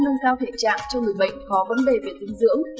nâng cao thể trạng cho người bệnh có vấn đề về dinh dưỡng